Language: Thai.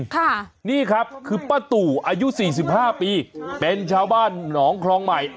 ค่ะนี่ครับคือป้าตู่อายุสี่สิบห้าปีเป็นชาวบ้านหนองคลองใหม่